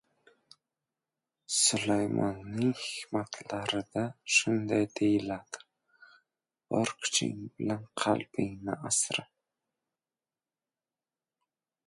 Sulaymonning «Hikmatlar»i da shunday deyiladi: «Bor kuching bilan qalbingni asra!»